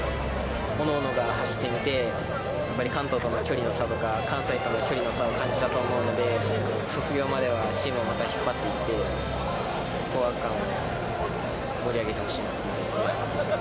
各々が走ってみて、やっぱり関東との距離の差とか、関西との距離の差を感じたと思うので、卒業まではチームをまた引っ張っていって、皇學館を盛り上げていってほしいなと思います。